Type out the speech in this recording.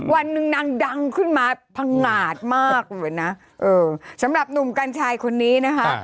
วันหนึ่งนางดังขึ้นมาพังงาดมากเลยนะเออสำหรับหนุ่มกัญชัยคนนี้นะคะ